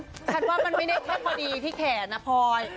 ฉันว่ามันไม่ได้แค่พอดีที่แขนนะพลอย